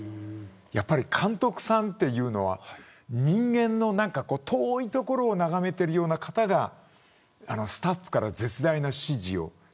やっぱり監督さんというのは人間の遠いところを眺めているような方がスタッフから絶大な支持を。